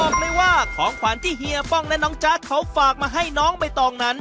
บอกเลยว่าของขวัญที่เฮียป้องและน้องจ๊ะเขาฝากมาให้น้องใบตองนั้น